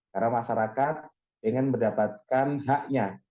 karena masyarakat ingin mendapatkan haknya